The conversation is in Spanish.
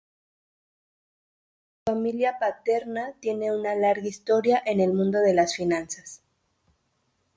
Su familia paterna tiene una larga historia en el mundo de las finanzas.